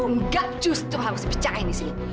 enggak justru harus bicara ini di sini